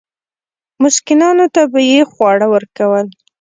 مسکینانو ته به یې خواړه ورکول.